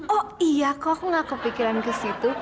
oh iya kok gak kepikiran ke situ